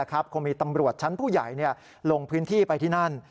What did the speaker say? คงมีตำรวจชั้นผู้ใหญ่ลงพื้นที่ไปที่นั่น